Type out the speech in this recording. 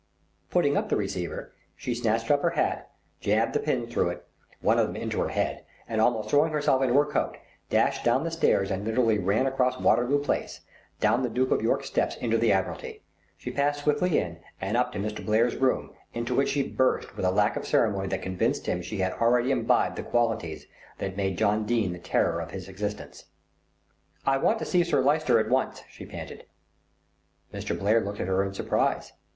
Putting up the receiver, she snatched up her hat, jabbed the pins through it, one of them into her head, and almost throwing herself into her coat, dashed down the stairs and literally ran across Waterloo Place, down the Duke of York's steps into the Admiralty. She passed swiftly in and up to Mr. Blair's room, into which she burst with a lack of ceremony that convinced him she had already imbibed the qualities that made John Dene the terror of his existence. "I want to see Sir Lyster at once," she panted. Mr. Blair looked up at her in surprise.